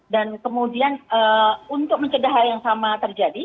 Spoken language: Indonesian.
dan kemudian untuk mencedah hal yang sama terjadi